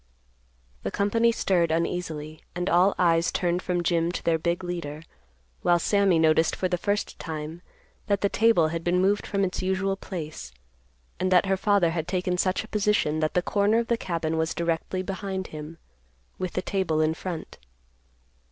The company stirred uneasily, and all eyes turned from Jim to their big leader, while Sammy noticed for the first time that the table had been moved from its usual place, and that her father had taken such a position that the corner of the cabin was directly behind him, with the table in front.